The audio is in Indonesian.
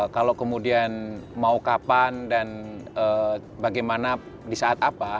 kalau kemudian mau kapan dan bagaimana di saat apa